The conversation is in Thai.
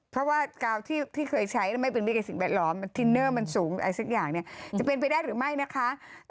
เพราะว่ากาวที่เคยใช้ไม่เป็นไปกับสิ่งแวดล้อมทินเนอร์มันสูงอะไรสักอย่างเนี่ยจะเป็นไปได้หรือไม่นะคะ